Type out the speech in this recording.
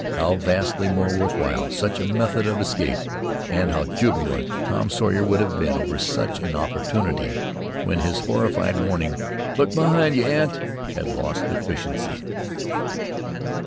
How vastly more worth while such a method of escape, and how jubilant Tom Sawyer would have been over such an opportunity when his horrified warning, "Look behind you, aunt!" had lost efficacy.